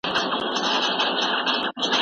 ایا ته په خپله موضوع کي پوره ډاډمن یې؟